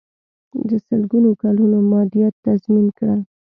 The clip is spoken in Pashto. د سلګونو کلونو مادیات تضمین کړل.